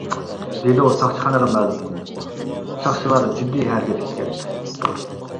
دېلو ساقچىخانىغا مەلۇم قىلىنىپتۇ، ساقچىلار جىددىي ھەرىكەتكە كەپتۇ.